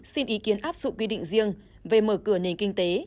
xin ý kiến áp dụng quy định riêng về mở cửa nền kinh tế